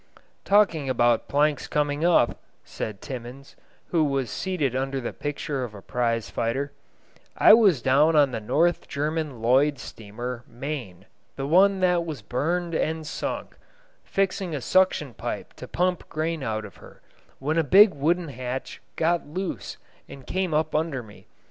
] "Talking about planks coming up," said Timmans, who was seated under the picture of a prize fighter, "I was down on the North German Lloyd steamer Main, the one that was burned and sunk, fixing a suction pipe to pump grain out of her, when a big wooden hatch got loose and came up under me.